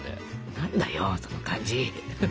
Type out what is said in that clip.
何だよその感じ！